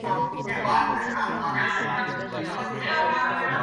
دائمی ادارے تیموری قائم نہ کر سکے۔